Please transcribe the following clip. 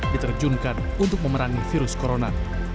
diterjunkan untuk memerangi virus corona